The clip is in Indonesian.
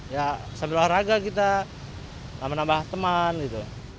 ya sambil olahraga kita menambah teman gitu